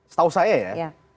setahu saya ya